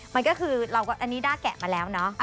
มันก็คืออันนี้ด้าแกะมาแล้วเนาะ